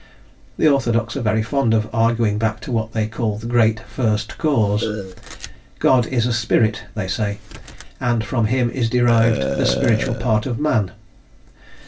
The orthodox are very fond of arguing back to what they call the Great First Cause. "God is a spirit," they say, "and from him is derived the spiritual part of man."